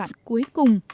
công đoạn cuối cùng